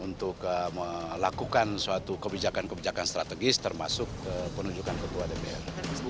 untuk melakukan suatu kebijakan kebijakan strategis termasuk penunjukan ketua dpr